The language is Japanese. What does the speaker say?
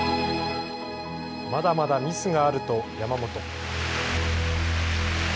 まだまだミスがあると山本。